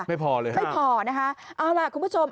ไม่พอเลยค่ะไม่พอนะคะเอาล่ะคุณผู้ชม